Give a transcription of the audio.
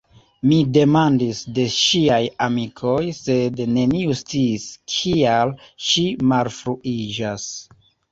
Mi demandis de ŝiaj amikoj, sed neniu sciis, kial ŝi malfruiĝas.